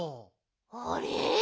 あれ？